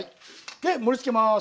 で盛りつけます。